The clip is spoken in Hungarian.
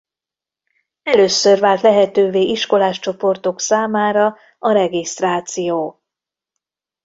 Először vált lehetővé iskolás csoportok számára a regisztráció.